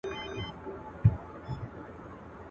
لرغونې کرنه باران ته اړتیا لري.